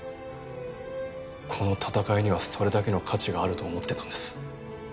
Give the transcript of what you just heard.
この闘いにはそれだけの価値があると思ってたんです。